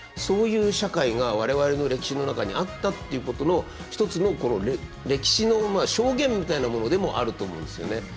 そういう社会が我々の歴史の中にあったっていうことの１つの歴史の証言みたいなものでもあると思うんですよね。